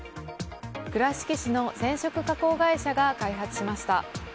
倉敷市の染色加工会社が開発しました。